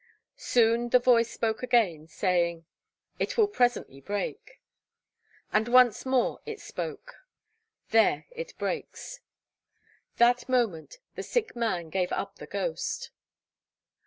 Soon the Voice spoke again, saying, 'Fe dor yn y man,' (it will presently break.) And once more it spoke: 'Dyna fe yn tori,' (there it breaks.) That moment the sick man gave up the ghost.